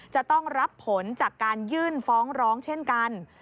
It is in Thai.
จะต้องรับผลจากการยื่นฟ้องร้องเช่นกัน